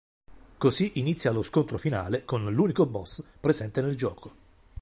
Così inizia lo scontro finale con l'unico boss presente nel gioco.